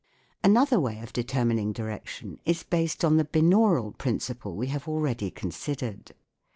Another way of determining direction is based on the binaural principle we have already con sidered.